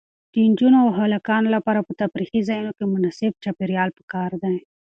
د نجونو او هلکانو لپاره په تفریحي ځایونو کې مناسب چاپیریال پکار دی.